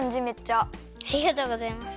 ありがとうございます。